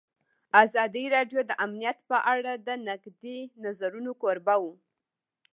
ازادي راډیو د امنیت په اړه د نقدي نظرونو کوربه وه.